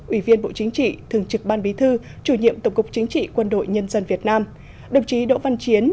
ủy viên bộ chính trị thường trực ban bí thư chủ nhiệm tổng cục chính trị quân đội nhân dân việt nam đồng chí đỗ văn chiến